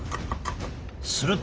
すると。